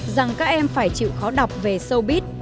rằng các em phải chịu khó đọc về showbiz